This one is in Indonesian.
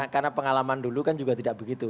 karena pengalaman dulu kan juga tidak begitu